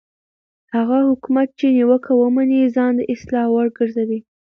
هغه حکومت چې نیوکه ومني ځان د اصلاح وړ ګرځوي